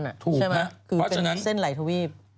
พูดถูกครับก็เป็นเส้นไหลทวีบ